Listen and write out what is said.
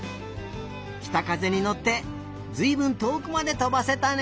きたがせにのってずいぶんとおくまでとばせたね。